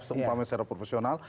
umpamanya secara profesional